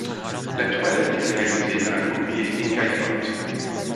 La toile a été réalisée dans la propriété Caillebotte.